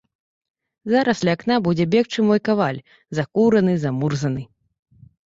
Зараз ля акна будзе бегчы мой каваль, закураны, замурзаны.